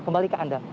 kembali ke anda